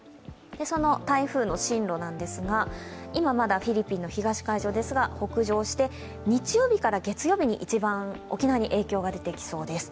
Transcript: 台風の進路なんですが、今はまだフィリピンの東海上ですが北上して日曜日から月曜日に一番、沖縄に影響が出てきそうです。